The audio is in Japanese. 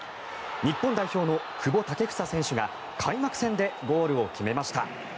日本代表の久保建英選手が開幕戦でゴールを決めました。